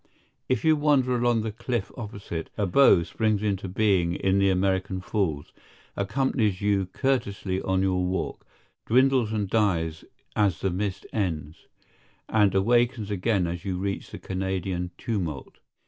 If you wander along the cliff opposite, a bow springs into being in the American Falls, accompanies you courteously on your walk, dwindles and dies as the mist ends, and awakens again as you reach the Canadian tumult.